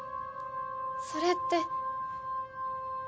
それって。